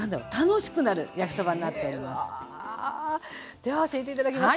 では教えて頂きます。